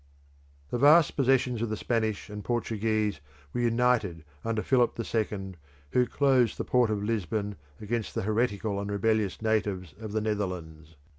The vast possessions of the Spaniards and Portuguese were united under Philip the Second, who closed the port of Lisbon against the heretical and rebellious natives of the Netherlands.